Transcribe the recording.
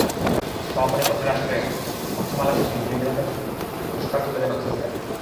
সমাপনী পর্বের আসরে কথামালা শেষে বিজয়ীদের হাতে পুরস্কার তুলে দেন অতিথিরা।